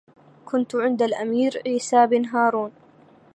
كنت عند الأمير عيسى بن هارون